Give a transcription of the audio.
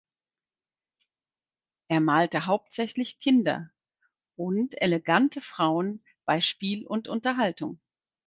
Er malte hauptsächlich Kinder und elegante Frauen bei Spiel und Unterhaltung.